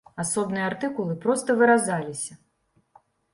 Асобныя артыкулы проста выразаліся.